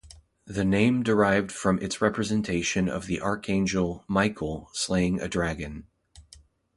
The name derived from its representation of the archangel Michael slaying a dragon.